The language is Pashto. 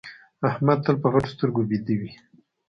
احمد تل په غټو سترګو ويده وي.